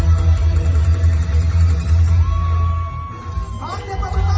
มันเป็นเมื่อไหร่แล้ว